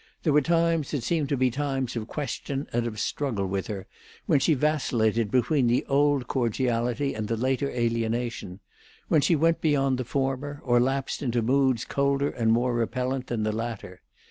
There were times that seemed to be times of question and of struggle with her, when she vacillated between the old cordiality and the later alienation; when she went beyond the former, or lapsed into moods colder and more repellent than the latter.